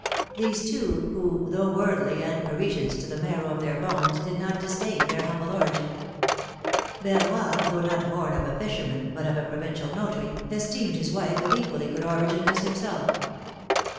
These two, who, though worldly and Parisians to the marrow of their bones, did not disdain their humble origin. Verroy, though not born of a fisherman, but of a provincial notary, esteemed his wife of equally good origin as himself.